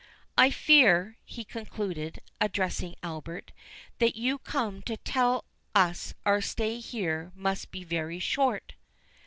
"I fear," he concluded, addressing Albert, "that you come to tell us our stay here must be very short."